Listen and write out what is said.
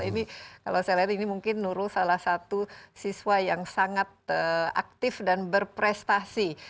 ini kalau saya lihat ini mungkin nurul salah satu siswa yang sangat aktif dan berprestasi